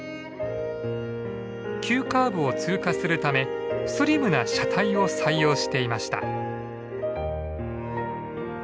急カーブを通過するためスリムな車体を採用していました。